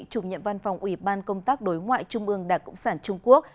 chủ nhiệm văn phòng ủy ban công tác đối ngoại trung ương đảng cộng sản trung quốc